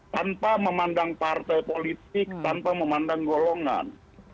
tanpa memandang partai politik tanpa memandang golongan